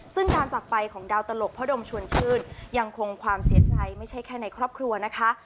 ซึ่งการจากไปของดาวตลกพ่อดมชวนชื่นยังคงความเสียใจไม่ใช่แค่ในครอบครัวนะคะ